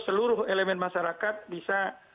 seluruh elemen masyarakat bisa